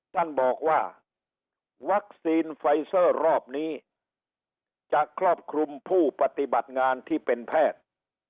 ท่านบอกว่าวัคซีนไฟเซอร์รอบนี้จะครอบคลุมผู้ปฏิบัติงานที่เป็นแพทย์